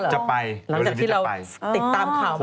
จะไปหลังจากที่เราติดตามข่าวมา